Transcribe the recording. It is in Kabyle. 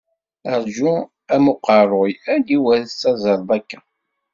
Rǧu am uqerruy, aniwer i tettazzaleḍ akka?